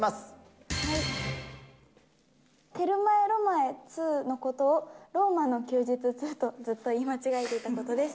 テルマエロマエ２のことをローマの休日２とずっと言い間違えていたことです。